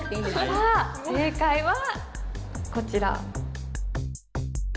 さあ正解はこちら。